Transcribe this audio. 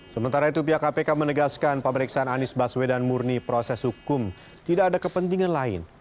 sementara itu pihak kpk menegaskan pemeriksaan anies baswedan murni proses hukum tidak ada kepentingan lain